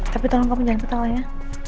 tapi tolong kamu jangan ketawa ya